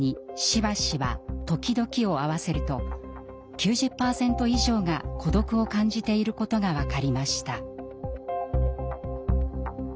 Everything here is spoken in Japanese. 「しばしば」「時々」を合わせると９０％以上が孤独を感じていることが分かりました。